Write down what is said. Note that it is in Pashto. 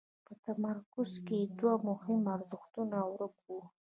په تمرکز کې یې دوه مهم ارزښتونه ورک وو.